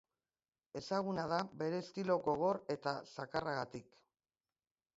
Ezaguna da bere estilo gogor eta zakarragatik.